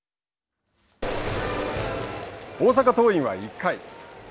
大阪桐蔭は１回。